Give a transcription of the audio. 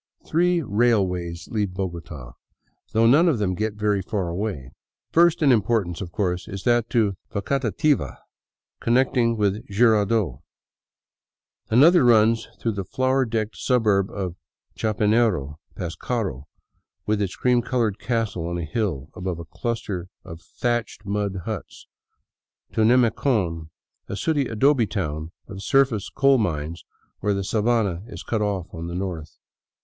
Three railways leave Bogota, though none of them gets very far away. First in importance, of course, is that to Facatativa, connect ing with Jirardot. Another runs through the flower decked suburb of Chapinero, past Caro, with its cream colored castle on a hill above a cluster of thatched mud huts, to Nemecon, a sooty adobe town of surface coal mines where the sabana is cut off on the north.